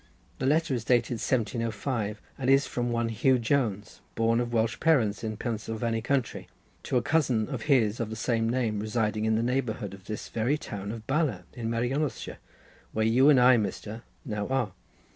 The letter is dated 1705, and is from one Huw Jones, born of Welsh parents in Pensilvany country to a cousin of his of the same name, residing in the neighbourhood of this very town of Bala in Merionethshire where you and I, Mr., now are.